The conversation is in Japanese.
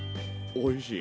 おいしい？